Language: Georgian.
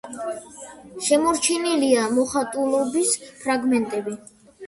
შემორჩენილია მოხატულობის ფრაგმენტები.